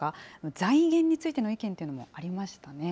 財源についての意見というのもありましたね。